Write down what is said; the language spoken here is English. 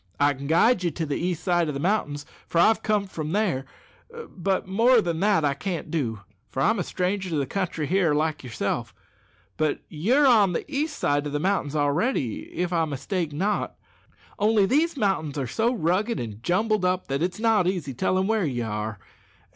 I can guide you to the east side o' the mountains, for I've comed from there; but more than that I can't do, for I'm a stranger to the country here, like yourself. But you're on the east side o' the mountains already, if I mistake not; only these mountains are so rugged and jumbled up, that it's not easy tellin' where ye are.